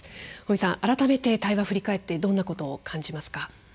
改めて対話を振り返ってどんなことを感じますか？